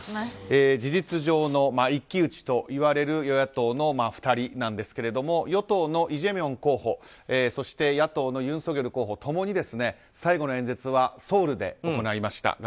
事実上の一騎打ちといわれる与野党の２人なんですけれども与党のイ・ジェミョン候補そして野党のユン・ソギョル候補共に最後の演説はソウルで行いました。